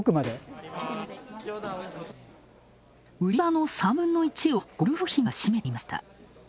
売り場の３分の１をゴルフ用品が占めていました。